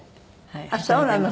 あっそうなの。